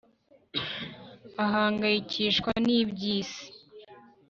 ahangayikishwa n'iby'isi